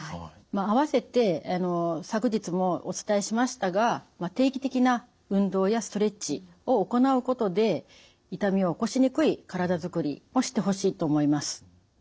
あわせて昨日もお伝えしましたが定期的な運動やストレッチを行うことで痛みを起こしにくい体づくりをしてほしいと思います。